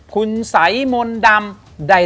คุณสัยมนต์ดำ